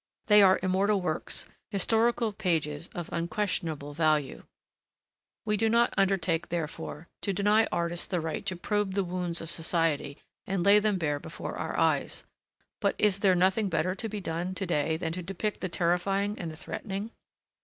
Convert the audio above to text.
They are immortal works, historical pages of unquestionable value; we do not undertake, therefore, to deny artists the right to probe the wounds of society and lay them bare before our eyes; but is there nothing better to be done to day than to depict the terrifying and the threatening?